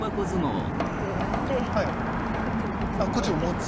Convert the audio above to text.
こうやってそっちもこっちも持って。